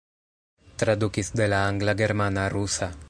Tradukis de la angla, germana, rusa.